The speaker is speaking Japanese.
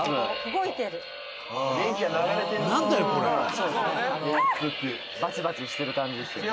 「動いてる」「バチバチしてる感じですよね」